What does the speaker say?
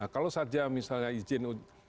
kalau saja misalnya izin